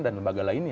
dan lembaga lainnya